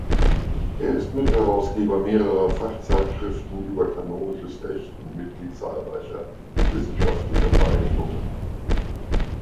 Er ist Mitherausgeber mehrerer Fachzeitschriften über kanonisches Recht und Mitglied zahlreicher wissenschaftlicher Vereinigungen.